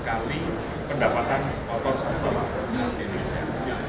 dua kali pendapatan kotor seputar indonesia